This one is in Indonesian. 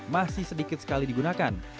masih sedikit sekali digunakan